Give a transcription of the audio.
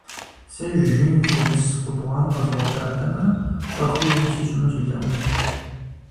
Сэ жин зэрыс къубгъан къэзгъуэтатэмэ, щӏэхыу ин сищӏыну селъэӏунут.